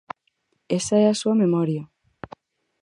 ¡Esa é a súa memoria!